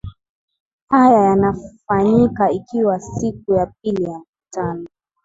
haya yanafanyika ikiwa ni siku ya pili ya mkutano